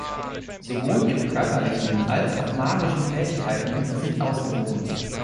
Sowohl ihre körperlichen als auch magischen Fähigkeiten sind ausgewogen.